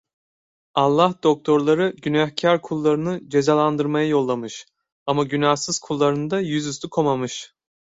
Allah doktorları günahkar kullarını cezalandırmaya yollamış, ama günahsız kullarını da yüzüstü komamış!